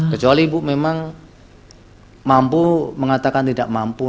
kecuali ibu memang mampu mengatakan tidak mampu